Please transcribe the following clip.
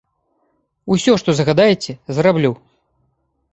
Усё, што загадаеце, зраблю.